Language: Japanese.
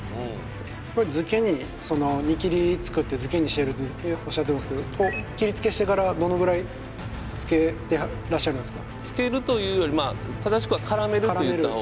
これ漬けに煮切り作って漬けにしてるとおっしゃってますけど切りつけしてからどのくらい漬けてらっしゃるんですか？